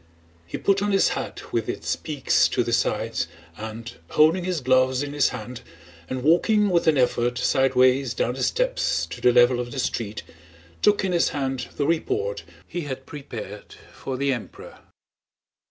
He put on his hat with its peaks to the sides and, holding his gloves in his hand and walking with an effort sideways down the steps to the level of the street, took in his hand the report he had prepared for the Emperor.